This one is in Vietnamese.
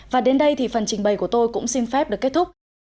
và đến đây thì phần trình bày của tôi cũng xin phép được kết thúc